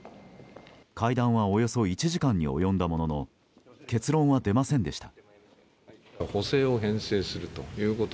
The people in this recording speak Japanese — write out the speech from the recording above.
会談はおよそ１時間に及んだものの結論は出ませんでした。